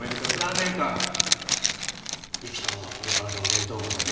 何年間生きたままこの体を冷凍保存できる？